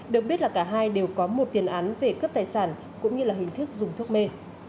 được biết là cả hai đều có một tiền án về cướp tài sản cũng như là hình thức dùng thuốc mê